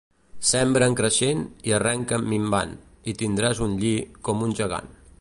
Sembra en creixent i arrenca en minvant i tindràs un lli com un gegant.